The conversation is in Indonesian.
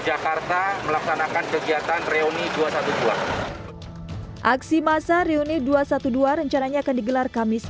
jakarta melaksanakan kegiatan reuni dua ratus dua belas aksi masa reuni dua ratus dua belas rencananya akan digelar kamis